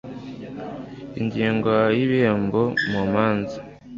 Ingingo ya Ibihembo mu manza